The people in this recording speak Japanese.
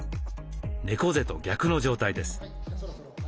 猫背と逆の状態です。